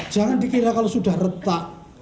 jangan dikira kalau sudah retak